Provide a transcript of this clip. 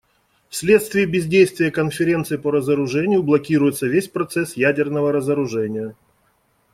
Вследствие бездействия Конференции по разоружению блокируется весь процесс ядерного разоружения.